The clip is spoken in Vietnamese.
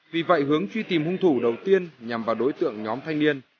vì vậy hướng truy tìm hung thủ đầu tiên nhằm vào đối tượng nhóm thanh niên